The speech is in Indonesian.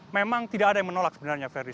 memang tidak ada yang menolak sebenarnya ferdi